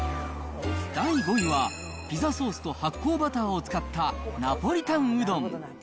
第５位は、ピザソースと発酵バターを使ったナポリタンうどん。